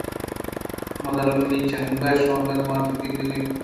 بدل ءِ منی جَنگ ءُ شِیولینگ ءَ مات ءَ کند اِت ءُ گوٛشت